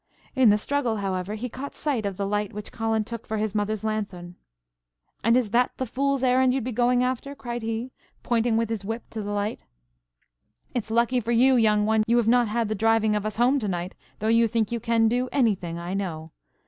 In the struggle, however, he caught sight of the light which Colin took for his mother's lanthorn. "And is that the fool's errand you'd be going after?" cried he, pointing with his whip to the light. "It's lucky for you, young one, you have not had the driving of us home to night, though you think you can do anything, I know.